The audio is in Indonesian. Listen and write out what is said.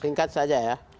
singkat saja ya